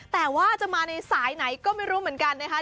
แต่ว่าจะมาในสายไหนก็ไม่รู้เหมือนกันนะคะ